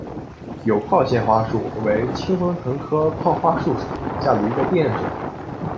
有腺泡花树为清风藤科泡花树属下的一个变种。